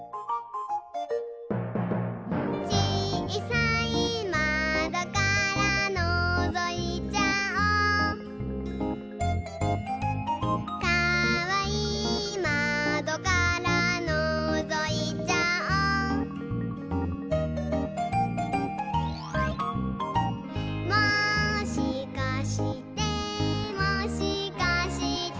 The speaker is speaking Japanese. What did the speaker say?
「ちいさいまどからのぞいちゃおう」「かわいいまどからのぞいちゃおう」「もしかしてもしかして」